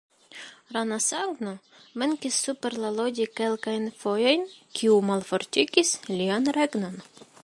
Rana Sanga venkis super la Lodi kelkajn fojojn, kio malfortigis lian regnon.